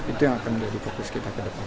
itu yang akan menjadi fokus kita ke depan